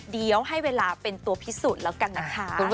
เดี๋ยวให้เวลาเป็นตัวพิสูจน์แล้วกันนะคะ